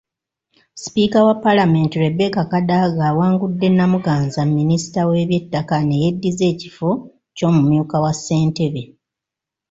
Sipiika wa Palamenti Rebecca Kadaga awangudde Namuganza, minisita w’eby’ettaka neyeddiza ekifo ky’Omumyuka wa ssentebe.